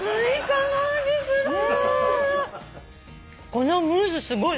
このムースすごい。